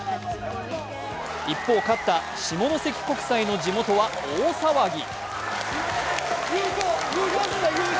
一方、勝った下関国際の地元は大騒ぎ。